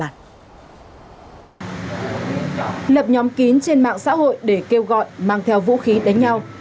lập nhóm kín trên mạng xã hội để kêu gọi mang theo vũ khí đánh nhau